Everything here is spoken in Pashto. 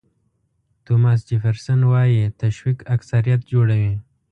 توماس جیفرسون وایي تشویق اکثریت جوړوي.